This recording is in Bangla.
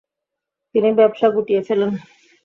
তিনি ব্যবসা গুটিয়ে ফেলেন।